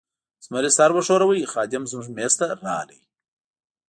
زمري سر و ښوراوه، خادم زموږ مېز ته راغلی.